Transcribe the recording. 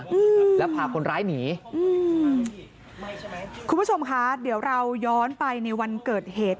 อืมแล้วพาคนร้ายหนีอืมคุณผู้ชมคะเดี๋ยวเราย้อนไปในวันเกิดเหตุ